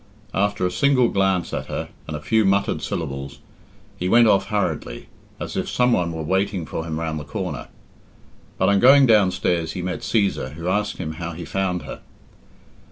After a single glance at her and a few muttered syllables, he went off hurriedly, as if some one were waiting for him round the corner. But on going downstairs he met Cæsar, who asked him how he found her.